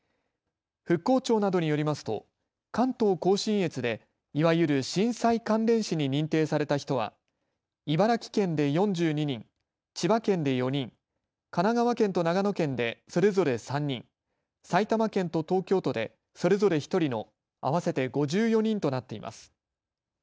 復興庁などによりますと関東甲信越でいわゆる震災関連死に認定された人は茨城県で４２人、千葉県で４人、神奈川県と長野県でそれぞれ３人、埼玉県と東京都でそれぞれ１人の合わせて５４人となっています。